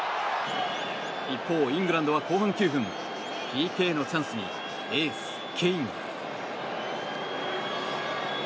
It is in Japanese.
一方、イングランドは後半９分ＰＫのチャンスにエース、ケイン。